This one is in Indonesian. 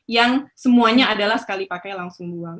yang semuanya adalah sekali pakai langsung buang